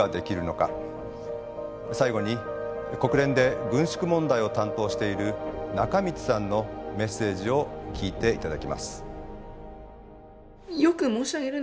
最後に国連で軍縮問題を担当している中満さんのメッセージを聞いていただきます。